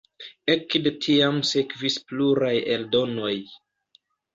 Ekde tiam sekvis pluraj eldonoj.